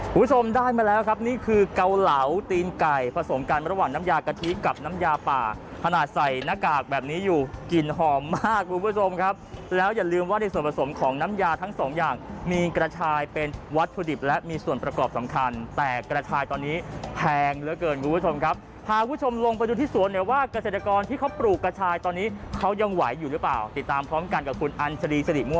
คุณผู้ชมได้มาแล้วครับนี่คือเกาเหลาตีนไก่ผสมกันระหว่างน้ำยากะทิกับน้ำยาปลาขนาดใส่หน้ากากแบบนี้อยู่กลิ่นหอมมากคุณผู้ชมครับแล้วอย่าลืมว่าในส่วนผสมของน้ำยาทั้งสองอย่างมีกระชายเป็นวัตถุดิบและมีส่วนประกอบสำคัญแต่กระชายตอนนี้แพงเหลือเกินคุณผู้ชมครับพาคุณผู้ชมลงไปดูที่สว